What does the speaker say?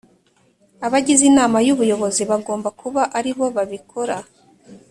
abagize Inama y Ubuyobozi bagomba kuba ari bo babikora